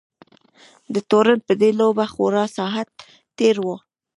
د تورن په دې لوبه خورا ساعت تېر وو.